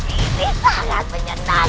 ini sangat menyenangkan